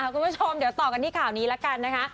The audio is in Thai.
คุณผู้ชมเดี๋ยวต่อกันที่ข่าวนี้ละกันนะคะ